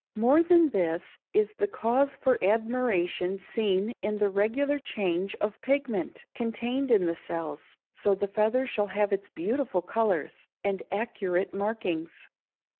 More than this is the cause for admiration seen in the regular change of pigment contained in the cells, so the feather shall have its beautiful colors and accurate markings.